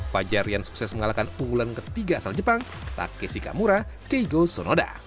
fajar rian sukses mengalahkan unggulan ketiga asal jepang takeshi kamura keigo sonoda